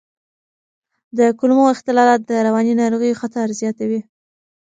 د کولمو اختلالات د رواني ناروغیو خطر زیاتوي.